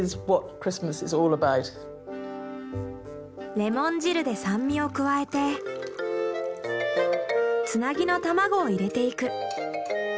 レモン汁で酸味を加えてつなぎの卵を入れていく。